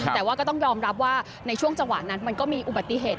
แต่ว่าก็ต้องยอมรับว่าในช่วงจังหวะนั้นมันก็มีอุบัติเหตุ